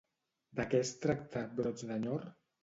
De què es tracta Brots d'enyor?